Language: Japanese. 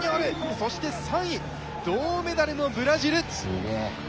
そして３位銅メダルもブラジル。